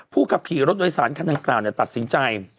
ขับขี่รถโดยสารคันดังกล่าวตัดสินใจ